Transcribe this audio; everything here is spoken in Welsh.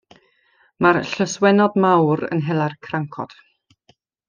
Mae'r llyswennod mawr yn hela'r crancod.